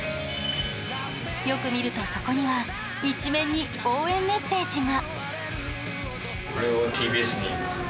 よく見るとそこには一面に応援メッセージが。